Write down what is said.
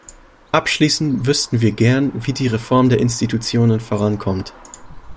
Abschließend wüssten wir gern, wie die Reform der Institutionen vorankommt.